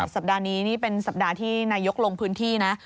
สัปดาห์นี้นี่เป็นสัปดาห์ที่นายกลงพื้นที่นะ